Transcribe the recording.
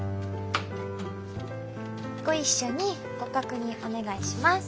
ご一緒にご確認お願いします。